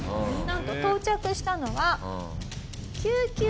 なんと到着したのは。